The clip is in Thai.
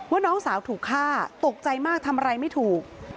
น้องสาวถูกฆ่าตกใจมากทำอะไรไม่ถูก